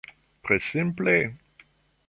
Tre simple.